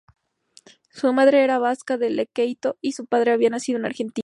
Su madre era vasca, de Lequeitio, y su padre había nacido en Argentina.